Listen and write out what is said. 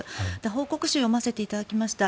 報告書を読ませていただきました。